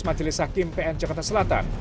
majelis hakim pn jakarta selatan